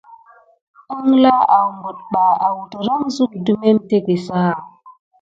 Əŋgla awɓəɗ ɓa awdəran zuk də memteke sa?